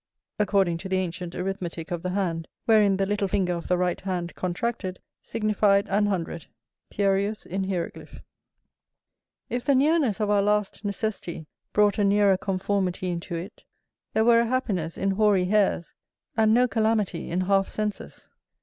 [BQ] [BQ] According to the ancient arithmetick of the hand, wherein the little finger of the right hand contracted, signified an hundred. Pierius in Hieroglyph. If the nearness of our last necessity brought a nearer conformity into it, there were a happiness in hoary hairs, and no calamity in half senses.